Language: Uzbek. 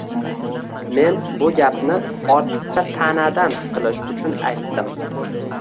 Men bu gapni ortiqcha taʼnadan qutulish uchun aytdim.